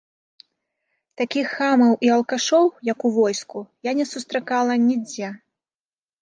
Такіх хамаў і алкашоў, як у войску, я не сустракала нідзе!